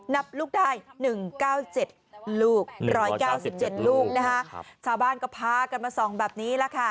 นับลูกได้๑๙๗ลูก๑๙๗ลูกนะคะชาวบ้านก็พากันมาส่องแบบนี้แหละค่ะ